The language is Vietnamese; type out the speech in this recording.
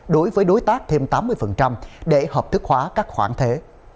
đối với đối tác thêm tám mươi để hợp thức hóa các khoản thuế